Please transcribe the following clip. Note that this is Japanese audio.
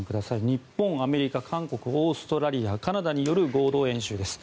日本、アメリカ、韓国オーストラリア、カナダによる合同演習です。